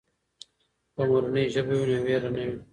که مورنۍ ژبه وي نو وېره نه وي.